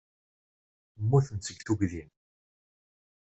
Mmuten seg tuggdi.